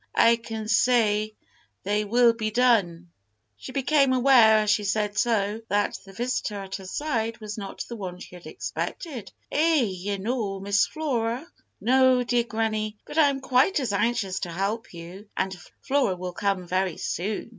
I can say, Thy will be done!" She became aware, as she said so, that the visitor at her side was not the one she had expected. "Eh! ye're no' Miss Flora." "No, dear granny, but I am quite as anxious to help you, and Flora will come very soon.